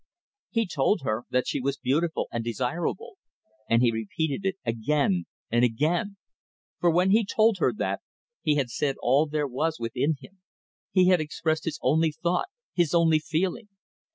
He told her that she was beautiful and desirable, and he repeated it again and again; for when he told her that, he had said all there was within him he had expressed his only thought, his only feeling.